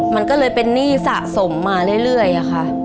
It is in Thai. มันก็เลยเป็นหนี้สะสมมาเรื่อยค่ะ